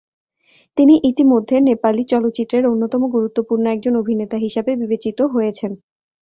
তিনি ইতিমধ্যে নেপালি চলচ্চিত্রের অন্যতম গুরুত্বপূর্ণ একজন অভিনেতা হিসাবে বিবেচিত হয়েছন।